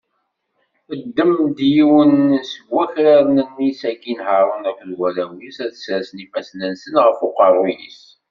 Ddem-d yiwen seg wakraren-nni, sakin Haṛun akked warraw-is ad sersen ifassen-nsen ɣef uqerru-s.